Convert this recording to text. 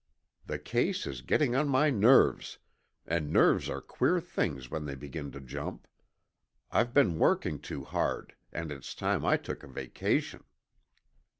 The case is getting on my nerves, and nerves are queer things when they begin to jump. I've been working too hard, and it's time I took a vacation."